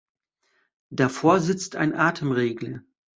Davor sitzt ein Atemregler.